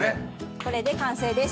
これで完成です。